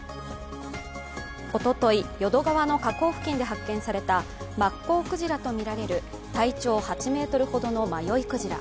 おととい、淀川の河口付近で発見されたマッコウクジラと見られる体長８ｍほどの迷い鯨。